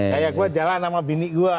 kayak gua jalan sama bini gua